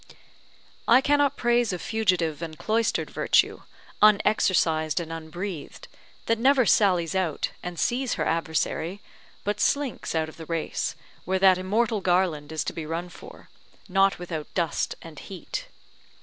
I cannot praise a fugitive and cloistered virtue, unexercised and unbreathed, that never sallies out and sees her adversary but slinks out of the race, where that immortal garland is to be run for, not without dust and heat.